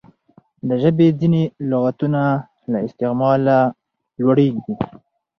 د ژبي ځیني لغاتونه له استعماله لوړیږي.